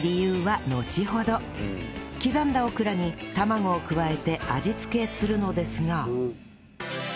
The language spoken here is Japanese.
刻んだオクラに卵を加えて味付けするのですが